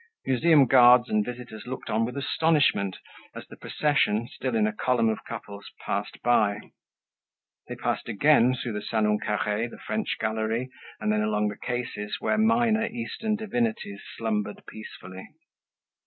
Museum guards and visitors looked on with astonishment as the procession, still in a column of couples, passed by. They passed again through the Salon Carre, the French Gallery and then along the cases where minor Eastern divinities slumbered peacefully.